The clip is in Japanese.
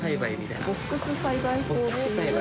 ボックス栽培法という。